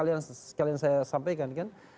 biar sekalian saya sampaikan kan